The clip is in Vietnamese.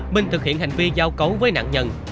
minh thực hiện hành vi giao cấu với nạn nhân